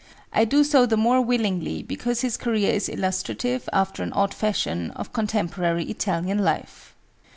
I do so the more willingly, because his career is illustrative, after an odd fashion, of contemporary Italian life.